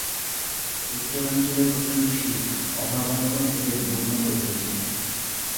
উত্তরাঞ্চলের প্রচণ্ড শীত, অভাব অনটন এদের বন্য করে তুলেছে।